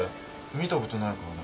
見たことない顔だ。